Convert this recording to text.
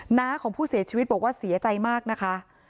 หน้าของผู้เสียชีวิตบอกว่าเสียใจมากนะคะ